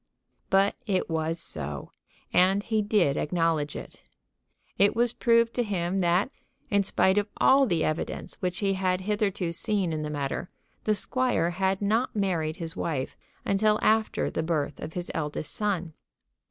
But it was so, and he did acknowledge it. It was proved to him that, in spite of all the evidence which he had hitherto seen in the matter, the squire had not married his wife until after the birth of his eldest son.